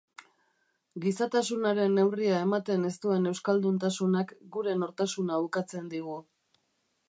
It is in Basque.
Gizatasunaren neurria ematen ez duen euskalduntasunak gure nortasuna ukatzen digu.